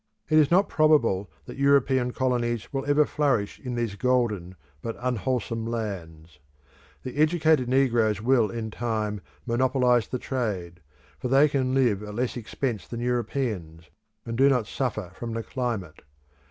It is not probable that European colonies will ever flourish in these golden but unwholesome lands. The educated negroes will in time monopolise the trade, for they can live at less expense than Europeans, and do not suffer from the climate.